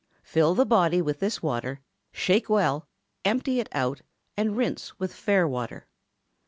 Fill the body with this water, shake well, empty it out, and rinse with fair water.